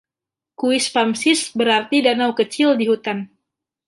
Quispamsis berarti danau kecil di hutan.